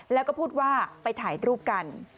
แล้วก็พูดว่าไปถ่ายรูปกัน